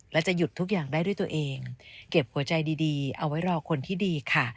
และจะหยุดทุกอย่างได้ด้วยตัวเองเก็บหัวใจดีเอาไว้รอคนที่ดีค่ะ